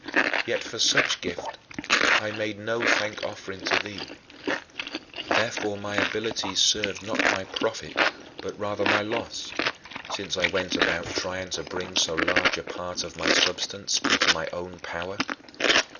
Yet for such gifts I made no thank offering to thee. Therefore, my abilities served not my profit but rather my loss, since I went about trying to bring so large a part of my substance into my own power.